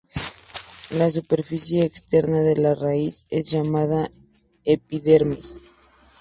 La superficie externa de la raíz es llamada epidermis.